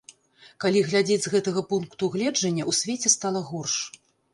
Калі глядзець з гэтага пункту гледжання, у свеце стала горш.